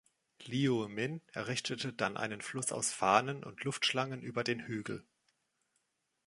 Liu Min errichtete dann einen Fluss aus Fahnen und Luftschlangen über den Hügel.